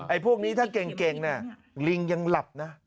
ไอ้พวกนี้ถ้าเก่งนะลิงยังหลับนะ